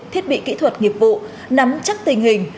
thiết bị kỹ thuật nghiệp vụ nắm chắc tình hình